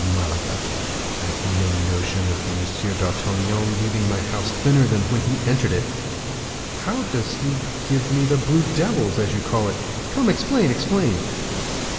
Malaga! I have no notion of M. d'Artagnan leaving my house thinner than when he entered it." "How does he give me the blue devils, as you call it? Come, explain, explain."